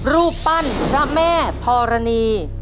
รูปปั้นพระแม่ธรณี